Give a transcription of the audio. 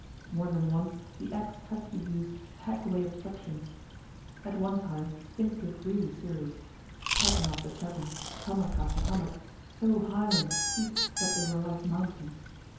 More than once the axe had to be used to hack away obstructions. At one time things looked really serious; chasm after chasm, hummock after hummock, so high and steep that they were like mountains.